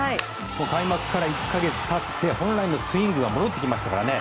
開幕から１か月経って本来のスイングが戻ってきましたからね。